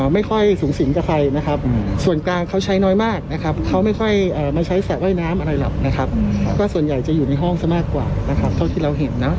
ไม่ค่อยสูงสิงกับใครนะครับส่วนกลางเขาใช้น้อยมากนะครับเขาไม่ค่อยมาใช้สระว่ายน้ำอะไรหรอกนะครับก็ส่วนใหญ่จะอยู่ในห้องซะมากกว่านะครับเท่าที่เราเห็นนะ